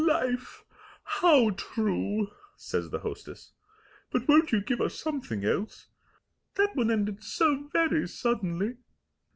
"Life! How true!" says the hostess. "But won't you give us something else? That one ended so very suddenly."